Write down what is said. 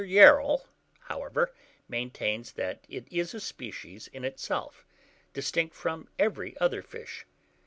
Yarrell, however, maintains that it is a species in itself, distinct from every other fish.